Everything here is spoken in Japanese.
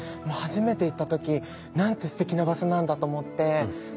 初めて行った時なんてすてきな場所なんだと思って。